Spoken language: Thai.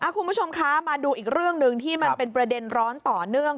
คุณผู้ชมคะมาดูอีกเรื่องหนึ่งที่มันเป็นประเด็นร้อนต่อเนื่อง